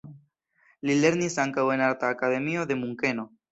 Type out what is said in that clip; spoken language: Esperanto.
Li lernis ankaŭ en arta akademio de Munkeno.